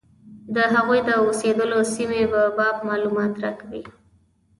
د هغوی د اوسېدلو سیمې په باب معلومات راکوي.